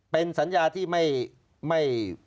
เป็นสัญญาที่ไม่